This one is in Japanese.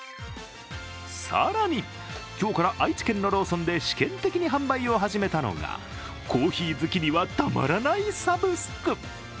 更に、今日から愛知県のローソンで試験的に販売を始めたのがコーヒー好きにはたまらないサブスク。